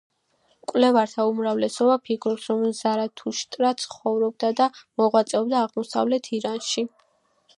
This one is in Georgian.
მკვლევართა უმრავლესობა ფიქრობს, რომ ზარათუშტრა ცხოვრობდა და მოღვაწეობდა აღმოსავლეთ ირანში.